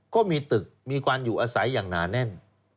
ก็มีตึกมีความอยู่อาศัยอย่างหนาแน่น